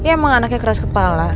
emang anaknya keras kepala